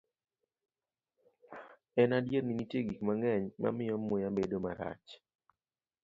En adier ni nitie gik mang'eny ma miyo muya bedo marach.